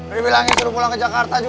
dibilangin suruh pulang ke jakarta